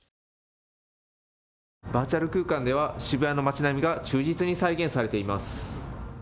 バーチャル空間では渋谷の町並みが忠実に再現されています。